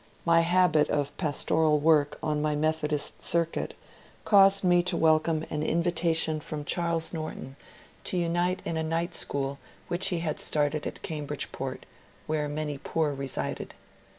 My habit of pastoral work on my Methodist circuit caused me to welcome an invitation from Charles Norton to unite in a night school which he had started at Cambridge port, where many poor resided.